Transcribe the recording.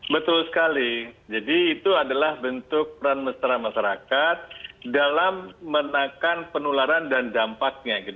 betul sekali jadi itu adalah bentuk peran mesra masyarakat dalam menekan penularan dan dampaknya